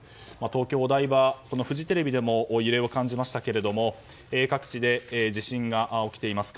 東京・お台場、フジテレビでも揺れを感じましたけども各地で地震が起きています。